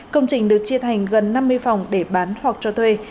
công trình được chia thành gần năm mươi phòng để bán hoặc cho thuê